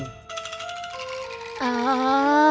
jadinya saya senyum